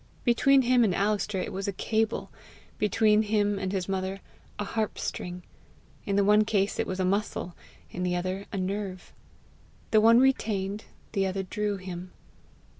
Between him and Alister it was a cable; between him and his mother a harpstring; in the one case it was a muscle, in the other a nerve. The one retained, the other drew him.